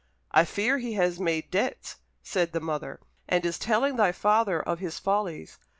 "I fear he has made debts," said the mother, "and is telling thy father of his follies.